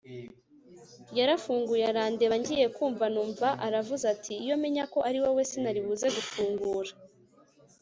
yarafunguye arandeba ngiye kumva numva aravuze ati iyo menya ko ari wowe sinari buze gufungura